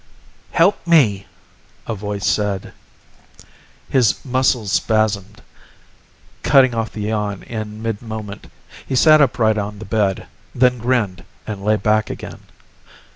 "Help me!" a voice said. His muscles spasmed, cutting off the yawn in mid moment. He sat upright on the bed, then grinned and lay back again.